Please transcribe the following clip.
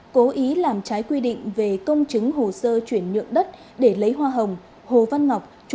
cố ý làm trái quy định về công chứng hồ sơ chuyển nhượng đất để lấy hoa hồng hồ văn ngọc